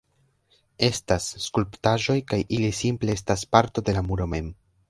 Estas skulptaĵoj kaj ili simple estas parto de la muro mem